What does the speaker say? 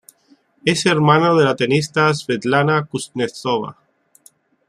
Es hermano de la tenista Svetlana Kuznetsova.